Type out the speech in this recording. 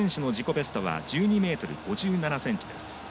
ベスト１２ｍ５７ｃｍです。